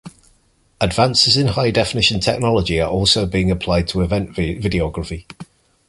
Advances in high definition technology are also being applied to event videography.